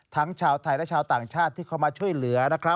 ทั้งชาวไทยและชาวต่างชาติที่เข้ามาช่วยเหลือ